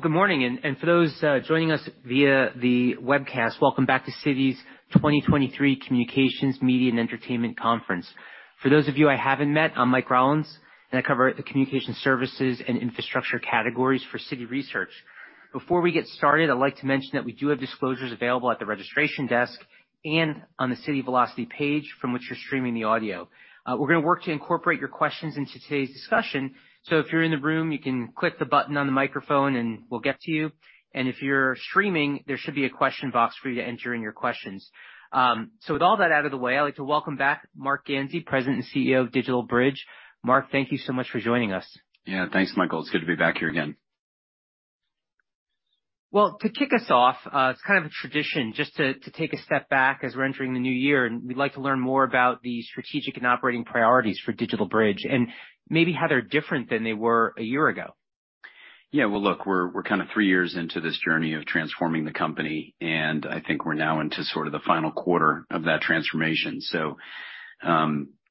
Well, good morning. For those joining us via the webcast, welcome back to Citi's 2023 Communications, Media, and Entertainment Conference. For those of you I haven't met, I'm Michael Rollins, and I cover the communication services and infrastructure categories for Citi Research. Before we get started, I'd like to mention that we do have disclosures available at the registration desk and on the Citi Velocity page from which you're streaming the audio. We're gonna work to incorporate your questions into today's discussion. If you're in the room, you can click the button on the microphone, and we'll get to you. If you're streaming, there should be a question box for you to enter in your questions. With all that out of the way, I'd like to welcome back Marc Ganzi, President and CEO of DigitalBridge. Marc, thank you so much for joining us. Yeah, thanks, Michael. It's good to be back here again. Well, to kick us off, it's kind of a tradition just to take a step back as we're entering the new year, and we'd like to learn more about the strategic and operating priorities for DigitalBridge and maybe how they're different than they were a year ago. Well, look, we're kind of 3 years into this journey of transforming the company, and I think we're now into sort of the final quarter of that transformation.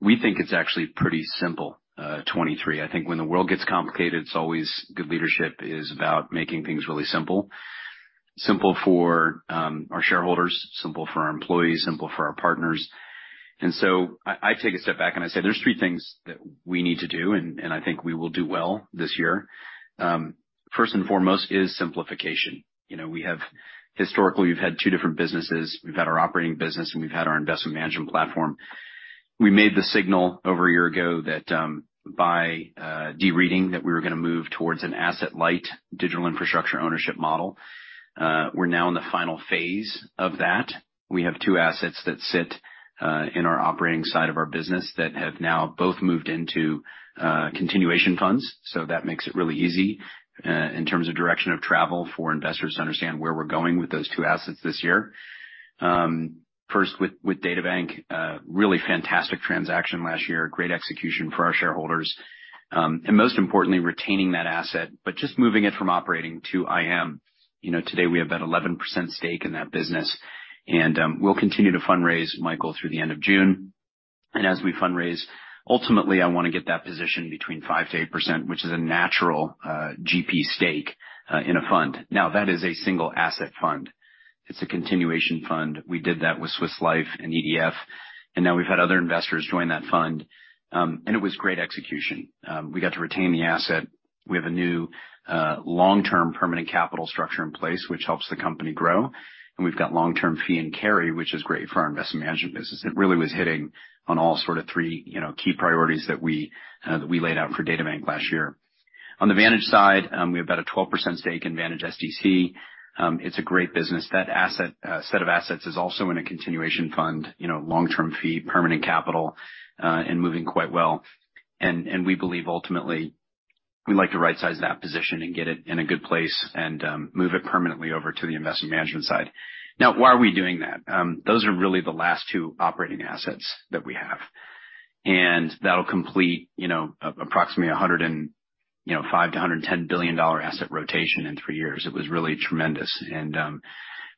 We think it's actually pretty simple, 23. I think when the world gets complicated, it's always good leadership is about making things really simple. Simple for our shareholders, simple for our employees, simple for our partners. I take a step back and I say, there's 3 things that we need to do, and I think we will do well this year. First and foremost is simplification. You know, historically, we've had 2 different businesses. We've had our operating business, and we've had our investment management platform. We made the signal over a year ago that, by de-risking that we were gonna move towards an asset-light digital infrastructure ownership model. We're now in the final phase of that. We have two assets that sit in our operating side of our business that have now both moved into continuation funds. That makes it really easy in terms of direction of travel for investors to understand where we're going with those two assets this year. First, with DataBank, really fantastic transaction last year. Great execution for our shareholders. Most importantly, retaining that asset, but just moving it from operating to IM. You know, today we have that 11% stake in that business, and we'll continue to fundraise, Michael, through the end of June. As we fundraise, ultimately I wanna get that position between 5%-8%, which is a natural GP stake in a fund. That is a single asset fund. It's a continuation fund. We did that with Swiss Life and EDF, now we've had other investors join that fund. It was great execution. We got to retain the asset. We have a new long-term permanent capital structure in place, which helps the company grow. We've got long-term fee and carry, which is great for our investment management business. It really was hitting on all sort of three, you know, key priorities that we that we laid out for DataBank last year. On the Vantage side, we have about a 12% stake in Vantage SDC. It's a great business. That asset, set of assets is also in a continuation fund, you know, long-term fee, permanent capital, and moving quite well. We believe ultimately we'd like to rightsized that position and get it in a good place and move it permanently over to the investment management side. Why are we doing that? Those are really the last two operating assets that we have. That'll complete, you know, approximately a $105 billion-$110 billion asset rotation in three years. It was really tremendous.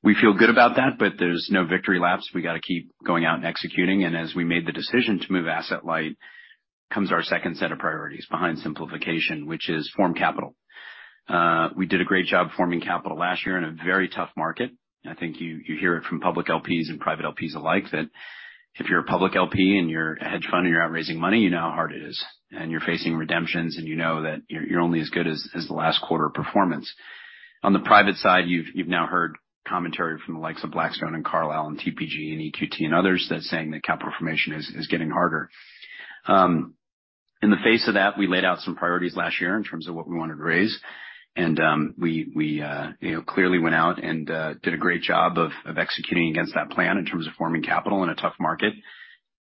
We feel good about that, but there's no victory laps. We gotta keep going out and executing. As we made the decision to move asset light, comes our second set of priorities behind simplification, which is form capital. We did a great job forming capital last year in a very tough market. I think you hear it from public LPs and private LPs alike that if you're a public LP and you're a hedge fund and you're out raising money, you know how hard it is. You're facing redemptions, and you know that you're only as good as the last quarter performance. On the private side, you've now heard commentary from the likes of Blackstone and Carlyle and TPG and EQT and others that saying that capital formation is getting harder. In the face of that, we laid out some priorities last year in terms of what we wanted to raise. We, you know, clearly went out and did a great job of executing against that plan in terms of forming capital in a tough market.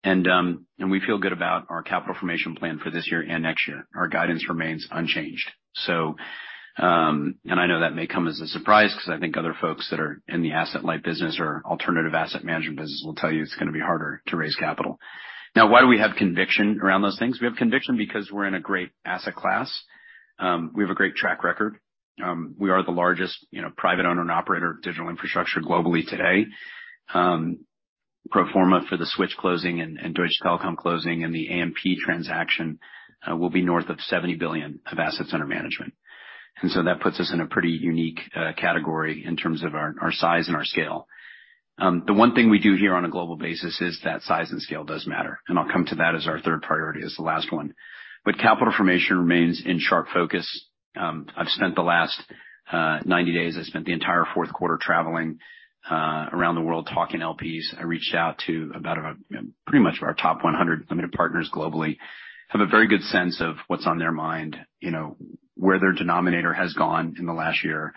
We feel good about our capital formation plan for this year and next year. Our guidance remains unchanged. I know that may come as a surprise because I think other folks that are in the asset light business or alternative asset management business will tell you it's gonna be harder to raise capital. Why do we have conviction around those things? We have conviction because we're in a great asset class. We have a great track record. We are the largest, you know, private owner and operator of digital infrastructure globally today. Pro forma for the Switch closing and Deutsche Telekom closing and the AMP transaction, will be north of $70 billion of assets under management. That puts us in a pretty unique category in terms of our size and our scale. The one thing we do hear on a global basis is that size and scale does matter, and I'll come to that as our third priority as the last one. Capital formation remains in sharp focus. I've spent the last 90 days, I spent the entire Q4 traveling around the world talking to LPs. I reached out to about pretty much of our top 100 limited partners globally. Have a very good sense of what's on their mind, you know, where their denominator has gone in the last year.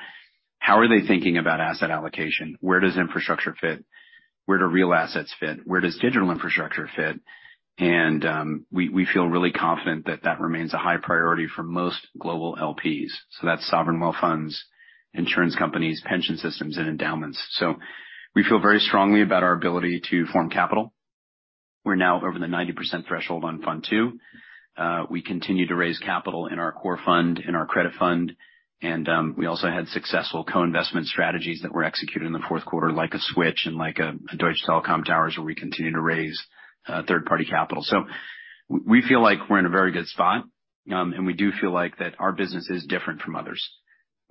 How are they thinking about asset allocation? Where does infrastructure fit? Where do real assets fit? Where does digital infrastructure fit? We feel really confident that that remains a high priority for most global LPs. That's sovereign wealth funds, insurance companies, pension systems, and endowments. We feel very strongly about our ability to form capital. We're now over the 90% threshold on fund 2. We continue to raise capital in our core fund, in our credit fund, and we also had successful co-investment strategies that were executed in the Q4, like a Switch and like a Deutsche Telekom Towers, where we continue to raise third-party capital. We feel like we're in a very good spot, and we do feel like that our business is different from others.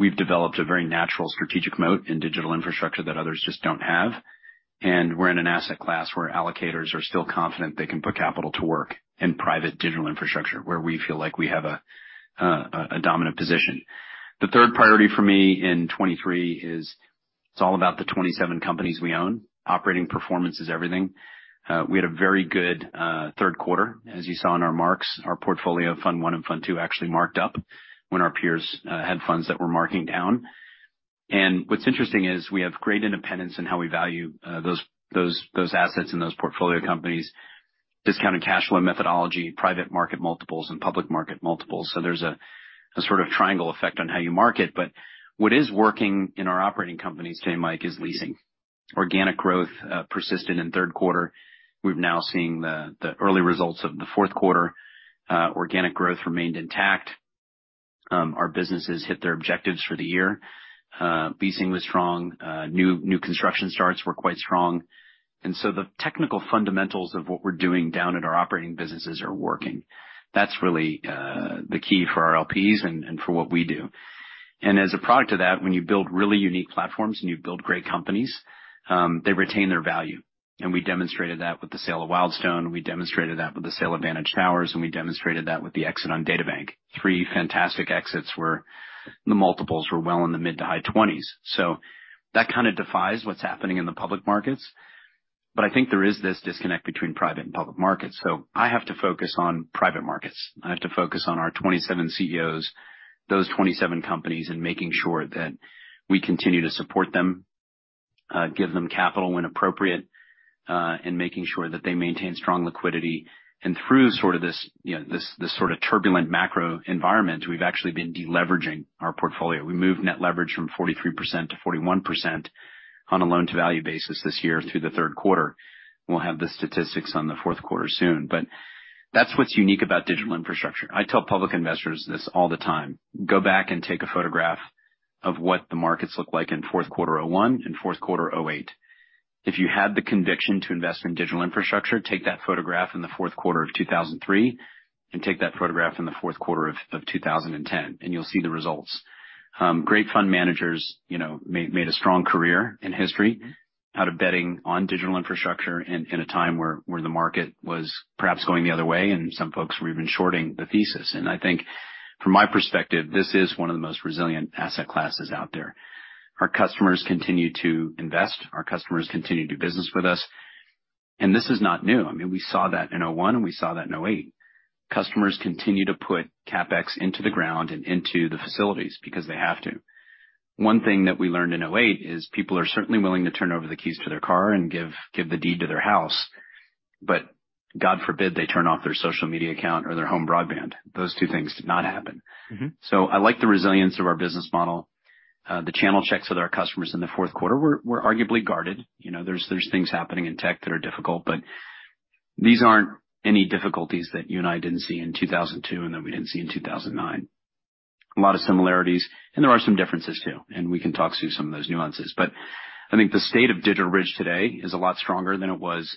We've developed a very natural strategic moat in digital infrastructure that others just don't have. We're in an asset class where allocators are still confident they can put capital to work in private digital infrastructure, where we feel like we have a dominant position. The third priority for me in 23 is it's all about the 27 companies we own. Operating performance is everything. We had a very good Q3, as you saw in our marks. Our portfolio, fund one and fund two, actually marked up when our peers had funds that were marking down. What's interesting is we have great independence in how we value those assets in those portfolio companies. Discounted cash flow methodology, private market multiples, and public market multiples. There's a sort of triangle effect on how you market. What is working in our operating companies today, Mike, is leasing. Organic growth persisted in Q3. We're now seeing the early results of the Q4. Organic growth remained intact. Our businesses hit their objectives for the year. Leasing was strong. New construction starts were quite strong. The technical fundamentals of what we're doing down at our operating businesses are working. That's really the key for our LPs and for what we do. As a product of that, when you build really unique platforms and you build great companies, they retain their value. We demonstrated that with the sale of Wildstone, we demonstrated that with the sale of Vantage Towers, and we demonstrated that with the exit on DataBank. Three fantastic exits where the multiples were well in the mid to high 20s. That kind of defies what's happening in the public markets. I think there is this disconnect between private and public markets, so I have to focus on private markets. I have to focus on our 27 CEOs, those 27 companies, and making sure that we continue to support them, give them capital when appropriate, and making sure that they maintain strong liquidity. Through sort of this, you know, this sort of turbulent macro environment, we've actually been deleveraging our portfolio. We moved net leverage from 43% to 41% on a loan-to-value basis this year through the Q3. We'll have the statistics on the Q4 soon. That's what's unique about digital infrastructure. I tell public investors this all the time. Go back and take a photograph of what the markets look like in Q4 2001 and Q4 2008. If you had the conviction to invest in digital infrastructure, take that photograph in the Q4 of 2003, take that photograph in the Q4 of 2010, you'll see the results. Great fund managers, you know, made a strong career in history out of betting on digital infrastructure in a time where the market was perhaps going the other way, some folks were even shorting the thesis. I think from my perspective, this is one of the most resilient asset classes out there. Our customers continue to invest. Our customers continue to do business with us. This is not new. I mean, we saw that in 2001, we saw that in 2008. Customers continue to put CapEx into the ground and into the facilities because they have to. One thing that we learned in 2008 is people are certainly willing to turn over the keys to their car and give the deed to their house, but God forbid they turn off their social media account or their home broadband. Those two things did not happen. Mm-hmm. I like the resilience of our business model. The channel checks with our customers in the Q4 were arguably guarded. You know, there's things happening in tech that are difficult, but these aren't any difficulties that you and I didn't see in 2002 and that we didn't see in 2009. A lot of similarities, and there are some differences too, and we can talk through some of those nuances. I think the state of DigitalBridge today is a lot stronger than it was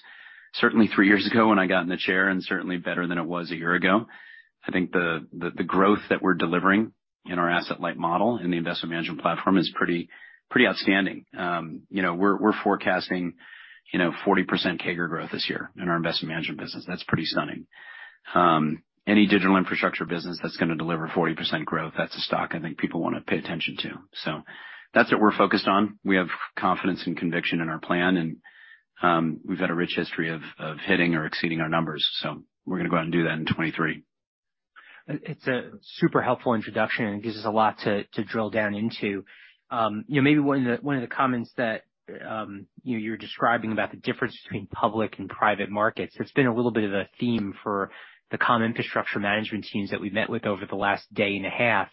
certainly 3 years ago when I got in the chair and certainly better than it was 1 year ago. I think the growth that we're delivering in our asset-light model and the investment management platform is pretty outstanding. you know, we're forecasting, you know, 40% CAGR growth this year in our investment management business. That's pretty stunning. Any digital infrastructure business that's gonna deliver 40% growth, that's a stock I think people wanna pay attention to. That's what we're focused on. We have confidence and conviction in our plan, and, we've had a rich history of hitting or exceeding our numbers. We're gonna go out and do that in 2023. It's a super helpful introduction and gives us a lot to drill down into. You know, maybe one of the comments that, you know, you're describing about the difference between public and private markets. It's been a little bit of a theme for the comm infrastructure management teams that we've met with over the last day and a half.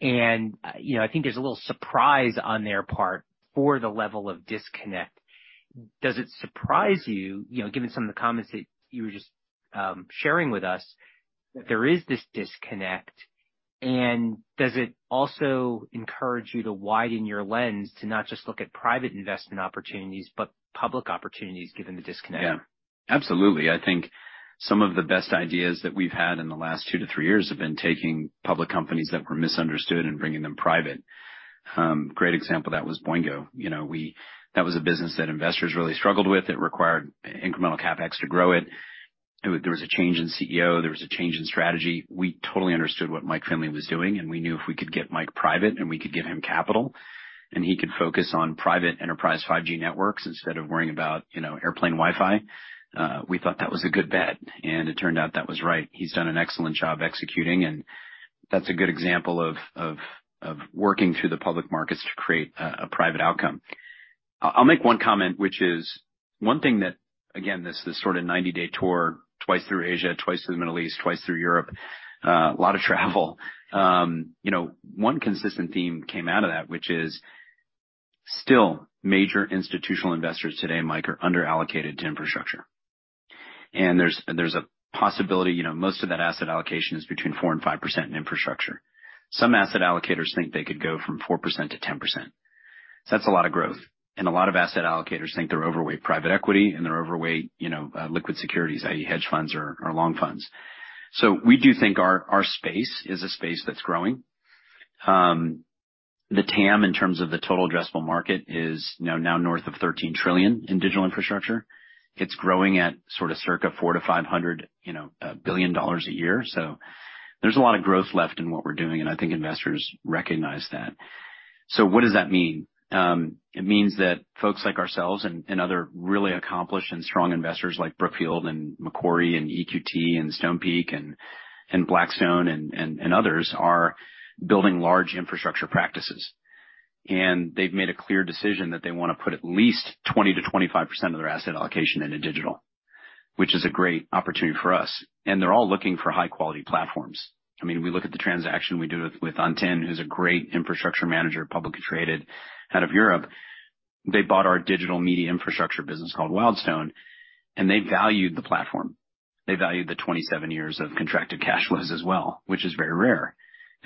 And, you know, I think there's a little surprise on their part for the level of disconnect. Does it surprise you know, given some of the comments that you were just sharing with us, that there is this disconnect, and does it also encourage you to widen your lens to not just look at private investment opportunities but public opportunities given the disconnect? Yeah. Absolutely. I think some of the best ideas that we've had in the last 2 to 3 years have been taking public companies that were misunderstood and bringing them private. Great example of that was Boingo. You know, that was a business that investors really struggled with. It required incremental CapEx to grow it. There was a change in CEO. There was a change in strategy. We totally understood what Mike Finley was doing, and we knew if we could get Mike private and we could give him capital and he could focus on private enterprise 5G networks instead of worrying about, you know, airplane Wi-Fi, we thought that was a good bet. It turned out that was right. He's done an excellent job executing. That's a good example of working through the public markets to create a private outcome. I'll make one comment, which is one thing that, again, this is sort of 90-day tour, twice through Asia, twice through the Middle East, twice through Europe. A lot of travel. You know, one consistent theme came out of that, which is still major institutional investors today, Mike, are under allocated to infrastructure. There's a possibility, you know, most of that asset allocation is between 4% and 5% in infrastructure. Some asset allocators think they could go from 4%-10%. That's a lot of growth. A lot of asset allocators think they're overweight private equity, and they're overweight, you know, liquid securities, i.e. hedge funds or long funds. We do think our space is a space that's growing. The TAM in terms of the total addressable market is, you know, now north of $13 trillion in digital infrastructure. It's growing at sort of circa $400 billion-$500 billion a year. There's a lot of growth left in what we're doing, and I think investors recognize that. What does that mean? It means that folks like ourselves and other really accomplished and strong investors like Brookfield and Macquarie and EQT and Stonepeak and Blackstone and others are building large infrastructure practices. They've made a clear decision that they wanna put at least 20%-25% of their asset allocation into digital, which is a great opportunity for us. They're all looking for high-quality platforms. I mean, we look at the transaction we do with Antin, who's a great infrastructure manager, publicly traded out of Europe. They bought our digital media infrastructure business called Wildstone. They valued the platform. They valued the 27 years of contracted cash flows as well, which is very rare.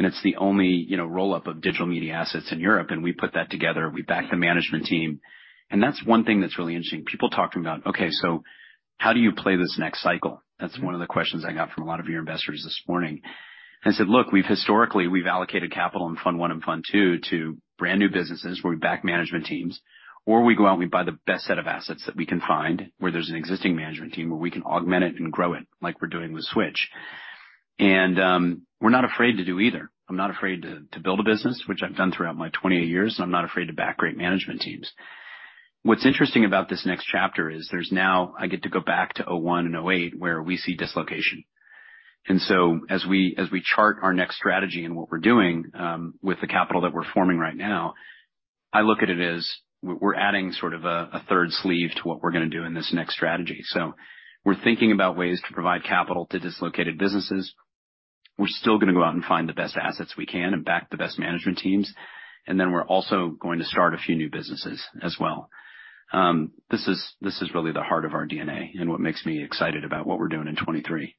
It's the only, you know, roll-up of digital media assets in Europe, and we put that together. We backed the management team. That's one thing that's really interesting. People talk to me about, "Okay, so how do you play this next cycle?" That's one of the questions I got from a lot of your investors this morning. I said, "Look, we've historically, we've allocated capital in fund 1 and fund 2 to brand-new businesses where we back management teams, or we go out and we buy the best set of assets that we can find, where there's an existing management team, where we can augment it and grow it like we're doing with Switch." We're not afraid to do either. I'm not afraid to build a business, which I've done throughout my 28 years, and I'm not afraid to back great management teams. What's interesting about this next chapter is there's now I get to go back to 2001 and 2008, where we see dislocation. As we chart our next strategy and what we're doing with the capital that we're forming right now, I look at it as we're adding sort of a third sleeve to what we're gonna do in this next strategy. We're thinking about ways to provide capital to dislocated businesses. We're still gonna go out and find the best assets we can and back the best management teams. We're also going to start a few new businesses as well. This is really the heart of our DNA and what makes me excited about what we're doing in 23.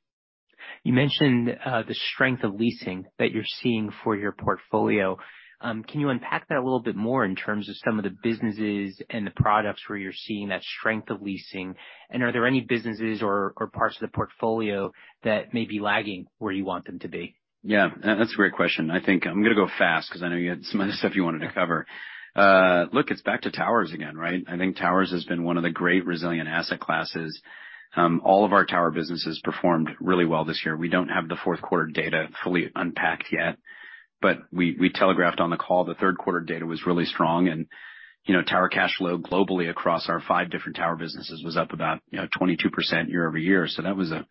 You mentioned the strength of leasing that you're seeing for your portfolio. Can you unpack that a little bit more in terms of some of the businesses and the products where you're seeing that strength of leasing? Are there any businesses or parts of the portfolio that may be lagging where you want them to be? Yeah. That's a great question. I think I'm gonna go fast 'cause I know you had some other stuff you wanted to cover. Look, it's back to towers again, right? I think towers has been one of the great resilient asset classes. All of our tower businesses performed really well this year. We don't have the Q4 data fully unpacked yet, but we telegraphed on the call the Q3 data was really strong. You know, tower cash flow globally across our five different tower businesses was up about, you know, 22% year-over-year. That was a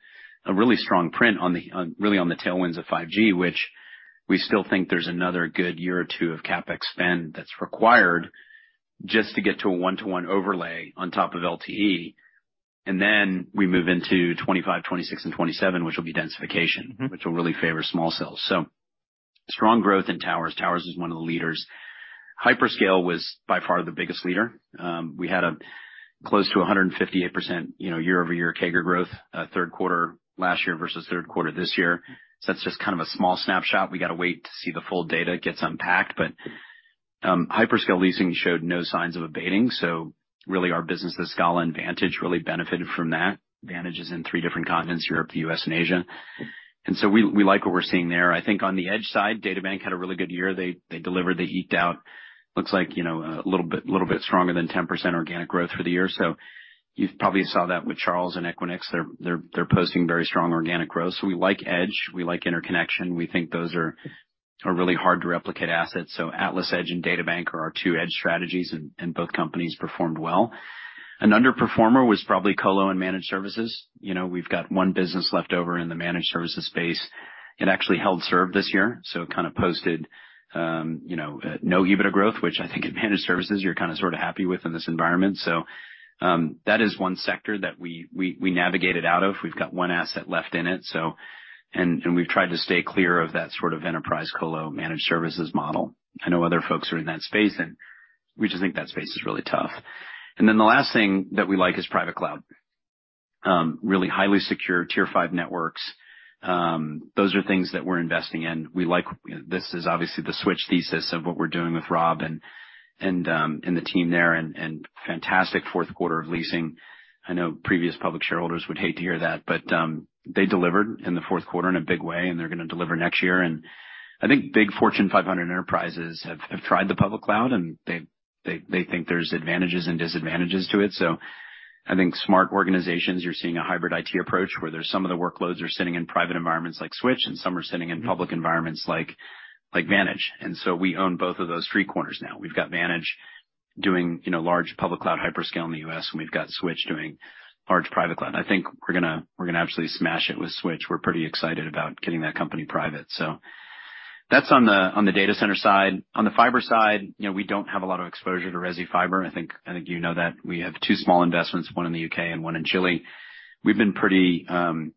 really strong print on the, on, really on the tailwinds of 5G, which we still think there's another good year or two of CapEx spend that's required just to get to a one-to-one overlay on top of LTE. We move into 2025, 2026, and 2027, which will be densification-... Mm-hmm. Which will really favor small cells. Strong growth in towers. Towers is one of the leaders. hyperscale was by far the biggest leader. We had a close to 158%, you know, year-over-year CAGR growth, Q3 last year versus Q3 this year. That's just kind of a small snapshot. We gotta wait to see the full data gets unpacked, hyperscale leasing showed no signs of abating, really our businesses, Scala and Vantage, really benefited from that. Vantage is in three different continents, Europe, the U.S., and Asia. We like what we're seeing there. I think on the edge side, DataBank had a really good year. They delivered, they eked out, looks like, you know, a little bit stronger than 10% organic growth for the year. You probably saw that with Charles and Equinix. They're posting very strong organic growth. We like Edge, we like interconnection. We think those are really hard to replicate assets. Atlas Edge and DataBank are our two edge strategies and both companies performed well. An underperformer was probably colo and managed services. You know, we've got one business left over in the managed services space. It actually held serve this year, so it kinda posted, you know, no EBITDA growth, which I think in managed services you're kinda sorta happy with in this environment. That is one sector that we navigated out of. We've got one asset left in it. And we've tried to stay clear of that sort of enterprise colo managed services model. I know other folks are in that space, and we just think that space is really tough. The last thing that we like is private cloud. Really highly secure Tier 5 networks. Those are things that we're investing in. We like. This is obviously the Switch thesis of what we're doing with Rob and the team there and fantastic Q4 of leasing. I know previous public shareholders would hate to hear that, but they delivered in the Q4 in a big way, and they're gonna deliver next year. I think big Fortune 500 enterprises have tried the public cloud, and they think there's advantages and disadvantages to it. I think smart organizations, you're seeing a hybrid IT approach, where there's some of the workloads are sitting in private environments like Switch and some are sitting in public environments like Vantage. We own both of those street corners now. We've got Vantage doing, you know, large public cloud hyperscale in the U.S., and we've got Switch doing large private cloud. I think we're gonna absolutely smash it with Switch. We're pretty excited about getting that company private. That's on the data center side. On the fiber side, you know, we don't have a lot of exposure to resi fiber. I think you know that. We have two small investments, one in the U.K. and one in Chile. We've been pretty, I don't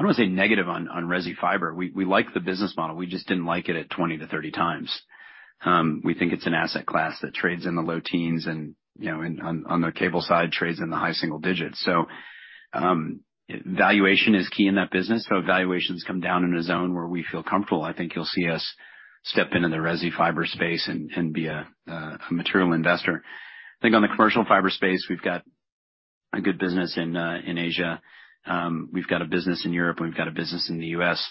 wanna say negative on resi fiber. We like the business model. We just didn't like it at 20-30 times. We think it's an asset class that trades in the low teens and, you know, on the cable side, trades in the high single digits. Valuation is key in that business. If valuations come down in a zone where we feel comfortable, I think you'll see us step into the resi fiber space and be a material investor. I think on the commercial fiber space, we've got a good business in Asia. We've got a business in Europe, and we've got a business in the U.S.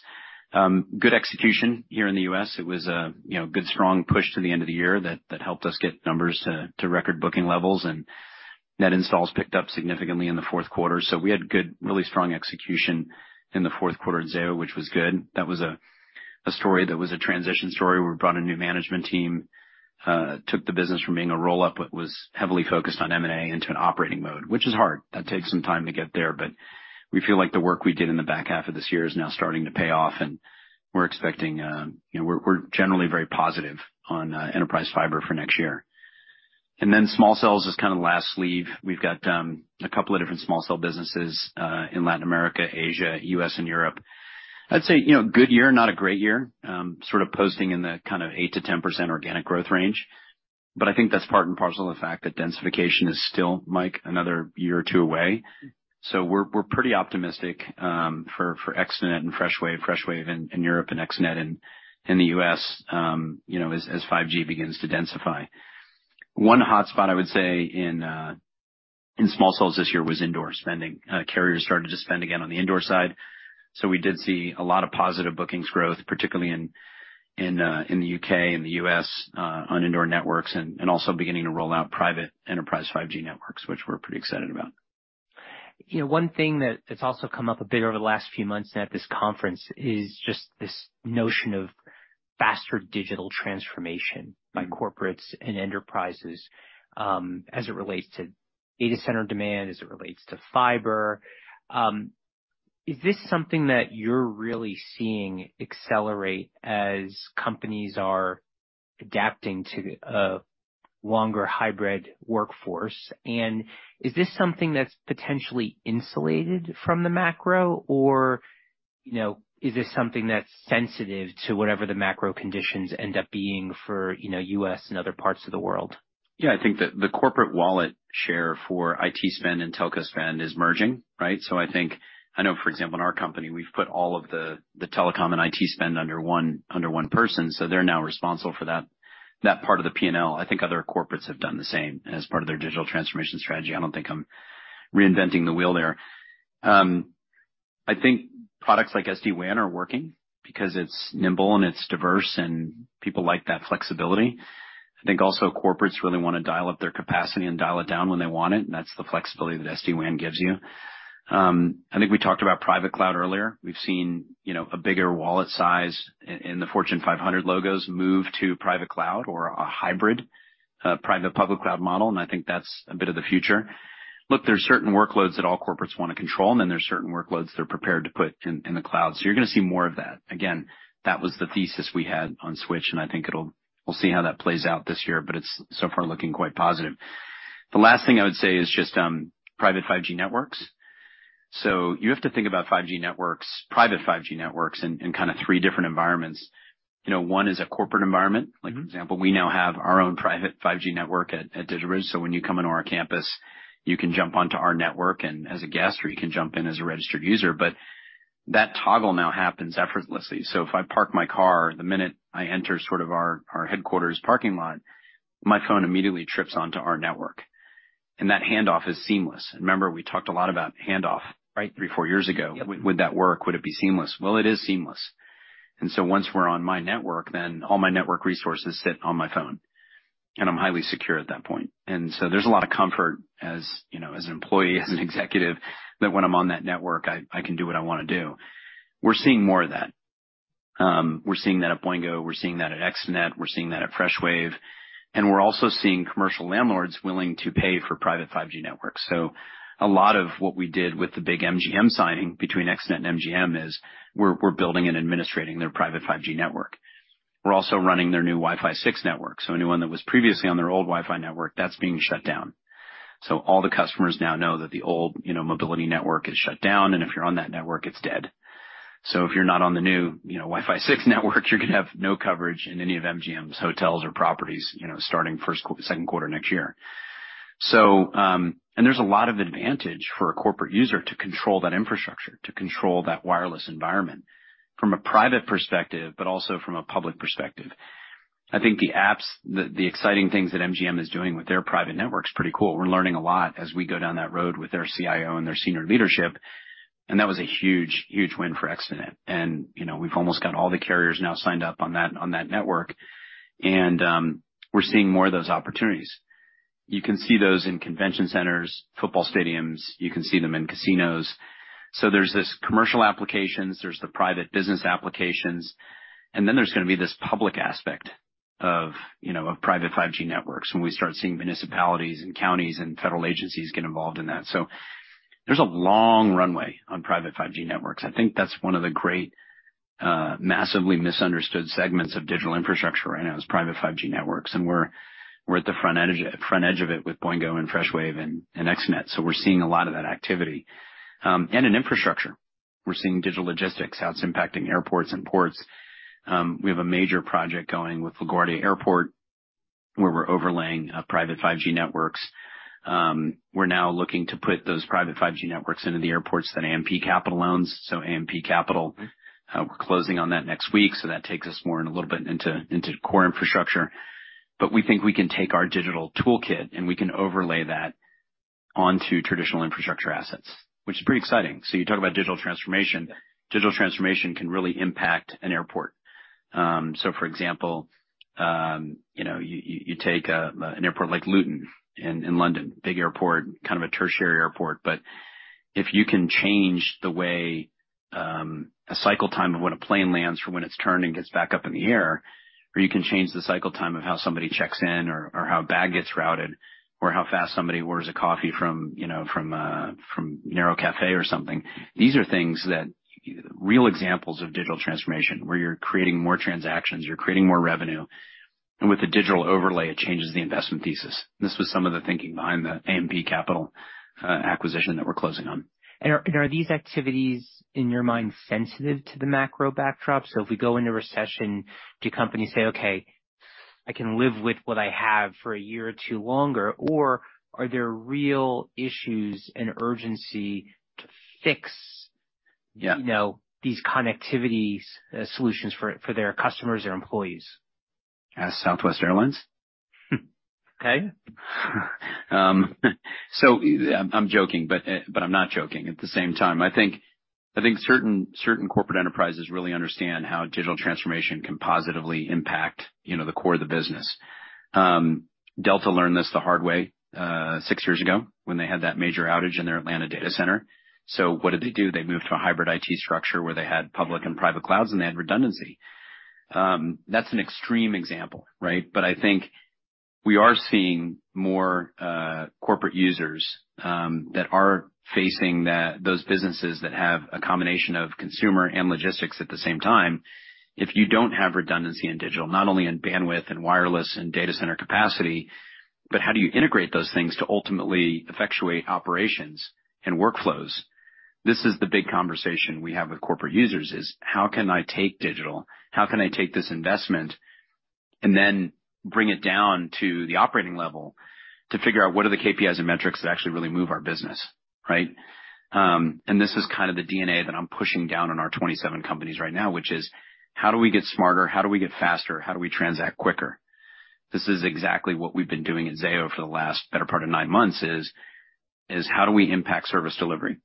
Good execution here in the U.S. It was a, you know, good, strong push to the end of the year that helped us get numbers to record booking levels, and net installs picked up significantly in the Q4. We had good, really strong execution in the Q4 at Zayo, which was good. That was a story that was a transition story. We brought a new management team, took the business from being a roll-up, but was heavily focused on M&A into an operating mode, which is hard. That takes some time to get there, we feel like the work we did in the back half of this year is now starting to pay off, and we're expecting, you know, we're generally very positive on enterprise fiber for next year. Small cells is kinda last sleeve. We've got a couple of different small cell businesses in Latin America, Asia, U.S., and Europe. I'd say, you know, good year, not a great year. Sort of posting in the kind of 8%-10% organic growth range. I think that's part and parcel of the fact that densification is still, Mike, another one or two away. We're pretty optimistic for ExteNet and Freshwave in Europe and ExteNet in the U.S., you know, as 5G begins to densify. One hotspot, I would say, in small cells this year was indoor spending. Carriers started to spend again on the indoor side. We did see a lot of positive bookings growth, particularly in the U.K. and the U.S. on indoor networks, and also beginning to roll out private enterprise 5G networks, which we're pretty excited about. You know, one thing that has also come up a bit over the last few months, at this conference is just this notion of faster digital transformation by corporates and enterprises, as it relates to data center demand, as it relates to fiber. Is this something that you're really seeing accelerate as companies are adapting to a longer hybrid workforce? Is this something that's potentially insulated from the macro or, you know, is this something that's sensitive to whatever the macro conditions end up being for, you know, U.S. and other parts of the world? I think that the corporate wallet share for IT spend and telco spend is merging, right? I think I know for example, in our company, we've put all of the telecom and IT spend under one person. They're now responsible for that part of the P&L. I think other corporates have done the same as part of their digital transformation strategy. I don't think I'm reinventing the wheel there. I think products like SD-WAN are working because it's nimble and it's diverse and people like that flexibility. I think also corporates really wanna dial up their capacity and dial it down when they want it, and that's the flexibility that SD-WAN gives you. I think we talked about private cloud earlier. We've seen, you know, a bigger wallet size in the Fortune 500 logos move to private cloud or a hybrid private public cloud model, and I think that's a bit of the future. Look, there's certain workloads that all corporates wanna control, and then there's certain workloads they're prepared to put in the cloud. You're gonna see more of that. Again, that was the thesis we had on Switch, and I think it'll. We'll see how that plays out this year, but it's so far looking quite positive. The last thing I would say is just private 5G networks. You have to think about 5G networks, private 5G networks in kinda 3 different environments. You know, one is a corporate environment. Like, for example, we now have our own private 5G network at DigitalBridge. When you come into our campus, you can jump onto our network and, as a guest, or you can jump in as a registered user. That toggle now happens effortlessly. If I park my car, the minute I enter sort of our headquarters parking lot, my phone immediately trips onto our network, and that handoff is seamless. Remember, we talked a lot about handoff. Right. Three, four years ago. Yeah. Would that work? Would it be seamless? Well, it is seamless. Once we're on my network, then all my network resources sit on my phone, and I'm highly secure at that point. There's a lot of comfort as, you know, as an employee, as an executive, that when I'm on that network, I can do what I wanna do. We're seeing more of that. We're seeing that at Boingo, we're seeing that at ExteNet, we're seeing that at Freshwave, and we're also seeing commercial landlords willing to pay for private 5G networks. A lot of what we did with the big MGM signing between ExteNet and MGM is we're building and administrating their private 5G network. We're also running their new Wi-Fi 6 network. Anyone that was previously on their old Wi-Fi network, that's being shut down. All the customers now know that the old, you know, mobility network is shut down, and if you're on that network, it's dead. If you're not on the new, you know, Wi-Fi 6 network, you're gonna have no coverage in any of MGM's hotels or properties, you know, starting Q2 next year. There's a lot of advantage for a corporate user to control that infrastructure, to control that wireless environment from a private perspective, but also from a public perspective. I think the apps, the exciting things that MGM is doing with their private network is pretty cool. We're learning a lot as we go down that road with their CIO and their senior leadership, and that was a huge, huge win for ExteNet. You know, we've almost got all the carriers now signed up on that, on that network. We're seeing more of those opportunities. You can see those in convention centers, football stadiums. You can see them in casinos. There's this commercial applications, there's the private business applications, and then there's gonna be this public aspect of, you know, of private 5G networks, when we start seeing municipalities and counties and federal agencies get involved in that. There's a long runway on private 5G networks. I think that's one of the great massively misunderstood segments of digital infrastructure right now is private 5G networks. We're at the front edge of it with Boingo and Freshwave and Extenet. We're seeing a lot of that activity. In infrastructure, we're seeing digital logistics, how it's impacting airports and ports. We have a major project going with LaGuardia Airport, where we're overlaying private 5G networks. We're now looking to put those private 5G networks into the airports that AMP Capital owns, so AMP Capital. We're closing on that next week, that takes us more and a little bit into core infrastructure. We think we can take our digital toolkit, and we can overlay that onto traditional infrastructure assets, which is pretty exciting. You talk about digital transformation. Digital transformation can really impact an airport. For example, you know, you take an airport like Luton in London, big airport, kind of a tertiary airport. If you can change the way a cycle time of when a plane lands from when it's turned and gets back up in the air, or you can change the cycle time of how somebody checks in or how a bag gets routed or how fast somebody orders a coffee from, you know, from Caffè Nero or something, these are things that, real examples of digital transformation, where you're creating more transactions, you're creating more revenue, and with the digital overlay, it changes the investment thesis. This was some of the thinking behind the AMP Capital acquisition that we're closing on. Are these activities, in your mind, sensitive to the macro backdrop? If we go into recession, do companies say, "Okay, I can live with what I have for a year or two longer?" Or are there real issues and urgency? Yeah. you know, these connectivity solutions for their customers or employees? As Southwest Airlines? Okay. I'm joking, but I'm not joking at the same time. I think certain corporate enterprises really understand how digital transformation can positively impact, you know, the core of the business. Delta learned this the hard way, six years ago when they had that major outage in their Atlanta data center. What did they do? They moved to a hybrid IT structure where they had public and private clouds, and they had redundancy. That's an extreme example, right? I think we are seeing more corporate users that are facing those businesses that have a combination of consumer and logistics at the same time. If you don't have redundancy in digital, not only in bandwidth and wireless and data center capacity, but how do you integrate those things to ultimately effectuate operations and workflows? This is the big conversation we have with corporate users, is how can I take digital? How can I take this investment and then bring it down to the operating level to figure out what are the KPIs and metrics that actually really move our business, right? This is kind of the DNA that I'm pushing down on our 27 companies right now, which is: How do we get smarter? How do we get faster? How do we transact quicker? This is exactly what we've been doing at Zayo for the last better part of 9 months, is how do we impact service delivery?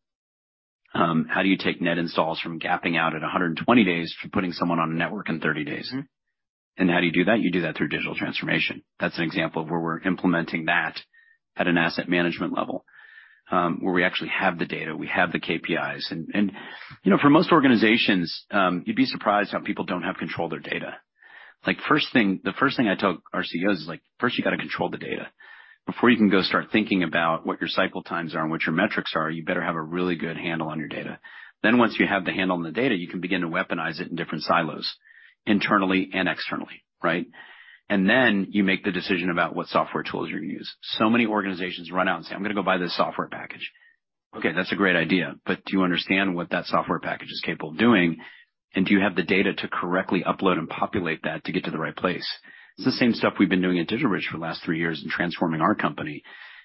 How do you take net installs from gapping out at 120 days to putting someone on a network in 30 days? Mm-hmm. How do you do that? You do that through digital transformation. That's an example of where we're implementing that at an asset management level, where we actually have the data, we have the KPIs. You know, for most organizations, you'd be surprised how people don't have control of their data. Like, first thing, the first thing I tell our CEOs is, like, first you gotta control the data. Before you can go start thinking about what your cycle times are and what your metrics are, you better have a really good handle on your data. Once you have the handle on the data, you can begin to weaponize it in different silos, internally and externally, right? You make the decision about what software tools you're gonna use. Many organizations run out and say, "I'm gonna go buy this software package." Okay, that's a great idea, but do you understand what that software package is capable of doing? And do you have the data to correctly upload and populate that to get to the right place? It's the same stuff we've been doing at DigitalBridge for the last three years in transforming our company,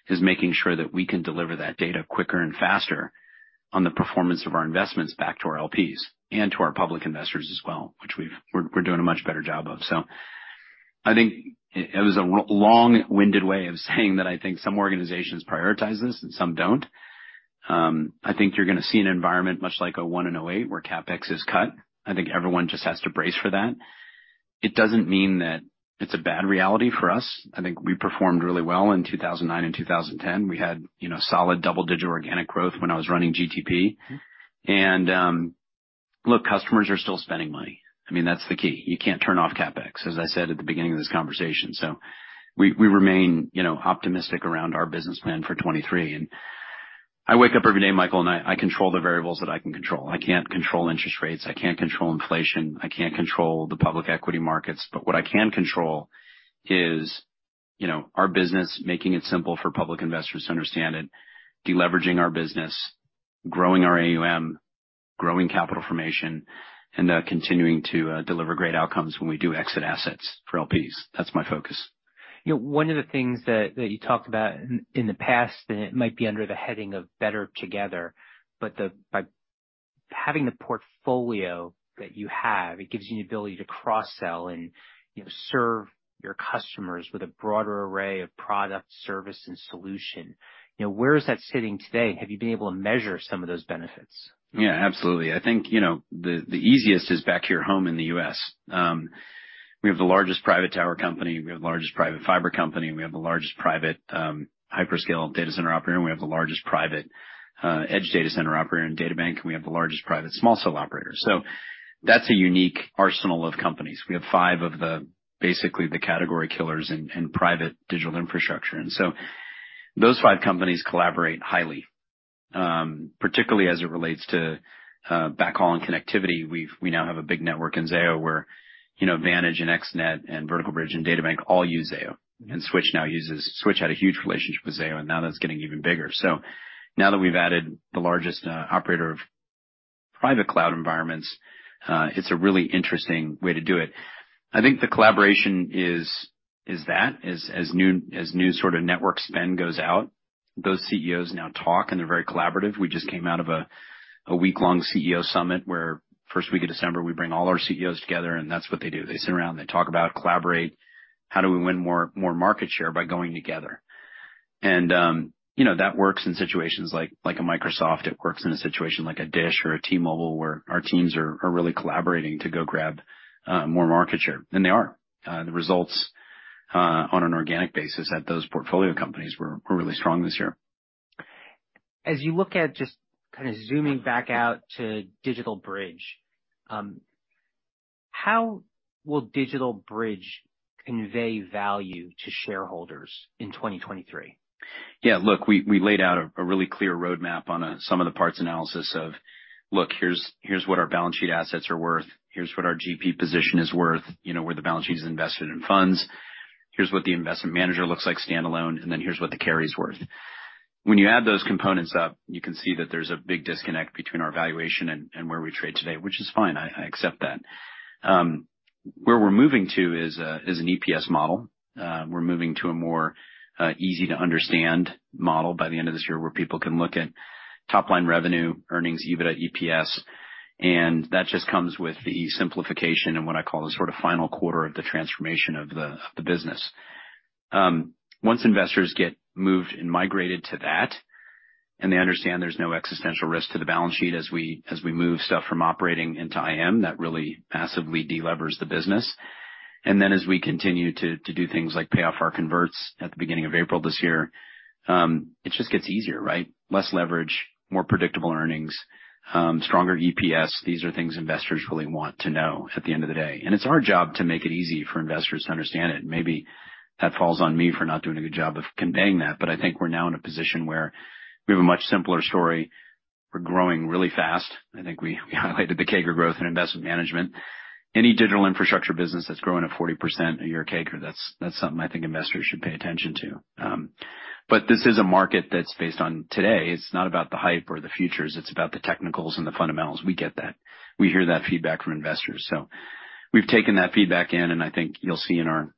is making sure that we can deliver that data quicker and faster on the performance of our investments back to our LPs and to our public investors as well, which we're doing a much better job of. I think it was a long-winded way of saying that I think some organizations prioritize this and some don't. I think you're gonna see an environment much like a one in 2008 where CapEx is cut. I think everyone just has to brace for that. It doesn't mean that it's a bad reality for us. I think we performed really well in 2009 and 2010. We had, you know, solid double-digit organic growth when I was running GTP. Mm-hmm. Look, customers are still spending money. I mean, that's the key. You can't turn off CapEx, as I said at the beginning of this conversation. We remain, you know, optimistic around our business plan for 2023. I wake up every day, Michael, and I control the variables that I can control. I can't control interest rates. I can't control inflation. I can't control the public equity markets. What I can control is, you know, our business, making it simple for public investors to understand it, deleveraging our business, growing our AUM, growing capital formation, and continuing to deliver great outcomes when we do exit assets for LPs. That's my focus. You know, one of the things that you talked about in the past, and it might be under the heading of better together, but by having the portfolio that you have, it gives you an ability to cross-sell and, you know, serve your customers with a broader array of product, service, and solution. You know, where is that sitting today? Have you been able to measure some of those benefits? Yeah, absolutely. I think, you know, the easiest is back here at home in the U.S. We have the largest private tower company, we have the largest private fiber company, we have the largest private hyperscale data center operator, and we have the largest private edge data center operator in DataBank, and we have the largest private small cell operator. That's a unique arsenal of companies. We have five of the, basically the category killers in private digital infrastructure. Those five companies collaborate highly, particularly as it relates to backhaul and connectivity. We now have a big network in Zayo where, you know, Vantage and ExteNet and Vertical Bridge and DataBank all use Zayo. Switch had a huge relationship with Zayo, and now that's getting even bigger. Now that we've added the largest operator of private cloud environments, it's a really interesting way to do it. I think the collaboration is that as new sort of network spend goes out. Those CEOs now talk and they're very collaborative. We just came out of a week-long CEO summit where first week of December, we bring all our CEOs together. That's what they do. They sit around, they talk about, collaborate, how do we win more market share by going together. You know, that works in situations like a Microsoft. It works in a situation like a DISH or a T-Mobile, where our teams are really collaborating to go grab more market share. They are. The results on an organic basis at those portfolio companies were really strong this year. As you look at just kinda zooming back out to DigitalBridge, how will DigitalBridge convey value to shareholders in 2023? Yeah. Look, we laid out a really clear roadmap on some of the parts analysis of, look, here's what our balance sheet assets are worth, here's what our GP position is worth, you know, where the balance sheet is invested in funds. Here's what the investment manager looks like standalone, here's what the carry's worth. When you add those components up, you can see that there's a big disconnect between our valuation and where we trade today, which is fine. I accept that. Where we're moving to is an EPS model. We're moving to a more easy to understand model by the end of this year, where people can look at top line revenue, earnings, EBITDA, EPS, and that just comes with the simplification and what I call the sort of final quarter of the transformation of the business. Once investors get moved and migrated to that, and they understand there's no existential risk to the balance sheet as we move stuff from operating into IM, that really massively de-levers the business. As we continue to do things like pay off our converts at the beginning of April this year, it just gets easier, right? Less leverage, more predictable earnings, stronger EPS. These are things investors really want to know at the end of the day. It's our job to make it easy for investors to understand it. Maybe that falls on me for not doing a good job of conveying that. I think we're now in a position where we have a much simpler story. We're growing really fast. I think we highlighted the CAGR growth in investment management. Any digital infrastructure business that's growing at 40% a year CAGR, that's something I think investors should pay attention to. This is a market that's based on today. It's not about the hype or the futures, it's about the technical and the fundamentals. We get that. We hear that feedback from investors. We've taken that feedback in, and I think you'll see in our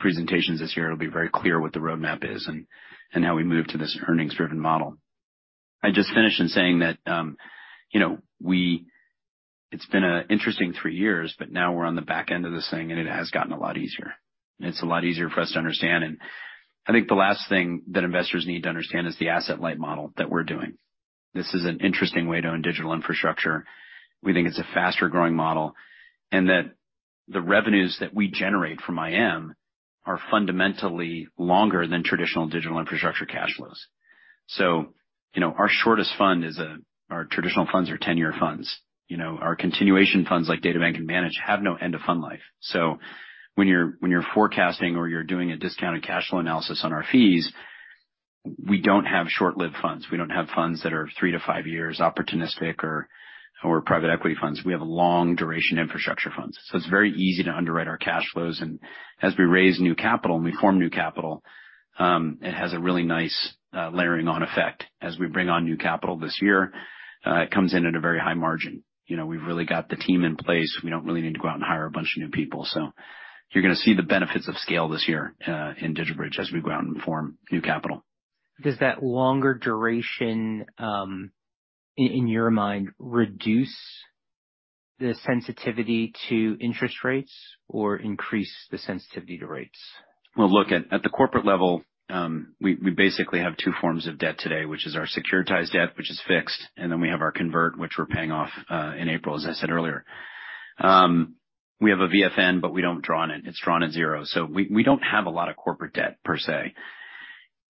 presentations this year, it'll be very clear what the roadmap is and how we move to this earnings-driven model. I just finished in saying that, you know, it's been an interesting three years, but now we're on the back end of this thing. It has gotten a lot easier, and it's a lot easier for us to understand. I think the last thing that investors need to understand is the asset-light model that we're doing. This is an interesting way to own digital infrastructure. We think it's a faster-growing model, and that the revenues that we generate from IM are fundamentally longer than traditional digital infrastructure cash flows. You know, our shortest fund is, our traditional funds are 10-year funds. You know, our continuation funds, like DataBank and Manage, have no end of fund life. When you're, when you're forecasting or you're doing a discounted cash flow analysis on our fees, we don't have short-lived funds. We don't have funds that are 3 to 5 years opportunistic or private equity funds. We have long duration infrastructure funds. It's very easy to underwrite our cash flows. As we raise new capital and we form new capital, it has a really nice layering on effect as we bring on new capital this year. It comes in at a very high margin. You know, we've really got the team in place. We don't really need to go out and hire a bunch of new people. You're gonna see the benefits of scale this year in DigitalBridge as we go out and form new capital. Does that longer duration, in your mind, reduce the sensitivity to interest rates or increase the sensitivity to rates? Well, look, at the corporate level, we basically have two forms of debt today, which is our securitized debt, which is fixed, and then we have our convert, which we're paying off in April, as I said earlier. We have a VFN, we don't draw on it. It's drawn at zero. We don't have a lot of corporate debt per se.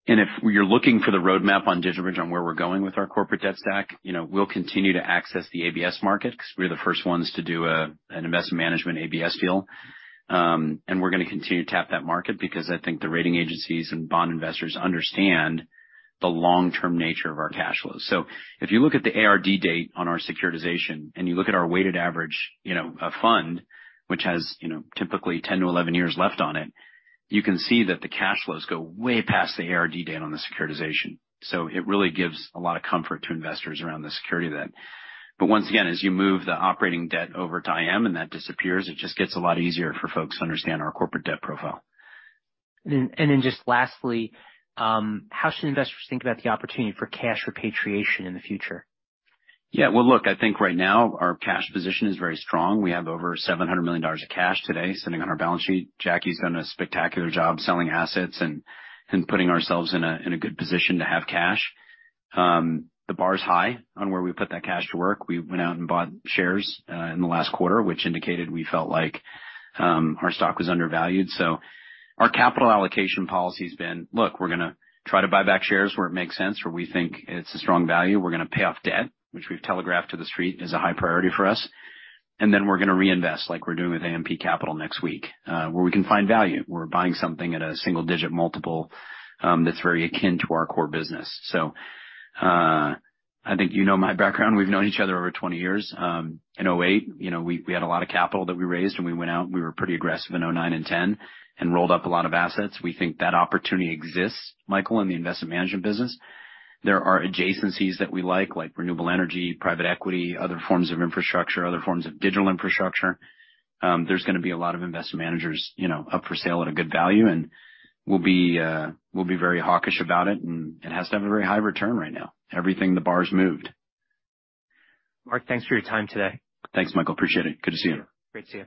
If you're looking for the roadmap on DigitalBridge on where we're going with our corporate debt stack, you know, we'll continue to access the ABS market 'cause we're the first ones to do an investment management ABS deal. We're gonna continue to tap that market because I think the rating agencies and bond investors understand the long-term nature of our cash flows. If you look at the ARD date on our securitization and you look at our weighted average, you know, fund, which has, you know, typically 10-11 years left on it, you can see that the cash flows go way past the ARD date on the securitization. It really gives a lot of comfort to investors around the security of that. Once again, as you move the operating debt over to IM and that disappears, it just gets a lot easier for folks to understand our corporate debt profile. Just lastly, how should investors think about the opportunity for cash repatriation in the future? Well, look, I think right now our cash position is very strong. We have over $700 million of cash today sitting on our balance sheet. Jacky's done a spectacular job selling assets and putting ourselves in a good position to have cash. The bar is high on where we put that cash to work. We went out and bought shares in the last quarter, which indicated we felt like our stock was undervalued. Our capital allocation policy has been, look, we're gonna try to buy back shares where it makes sense, where we think it's a strong value. We're gonna pay off debt, which we've telegraphed to the street is a high priority for us. We're gonna reinvest, like we're doing with AMP Capital next week, where we can find value. We're buying something at a single-digit multiple that's very akin to our core business. I think you know my background. We've known each other over 20 years. In 2008, you know, we had a lot of capital that we raised, and we went out and we were pretty aggressive in 2009 and 2010 and rolled up a lot of assets. We think that opportunity exists, Michael, in the investment management business. There are adjacencies that we like renewable energy, private equity, other forms of infrastructure, other forms of digital infrastructure. There's gonna be a lot of investment managers, you know, up for sale at a good value, and we'll be very hawkish about it, and it has to have a very high return right now. Everything, the bar is moved. Marc, thanks for your time today. Thanks, Michael. Appreciate it. Good to see you. Great to see you.